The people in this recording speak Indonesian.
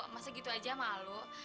masa gitu aja malu